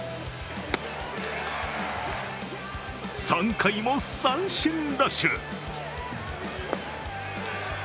３回も三振ラッシュ。